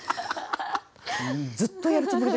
ずっとやるつもりですね。